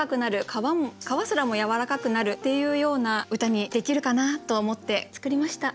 皮すらもやわらかくなるっていうような歌にできるかなと思って作りました。